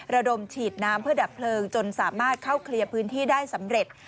ระดมฉีดน้ำเพื่อดับเพลิงจนสามารถเข้าเคลียร์พื้นที่ได้สำเร็จ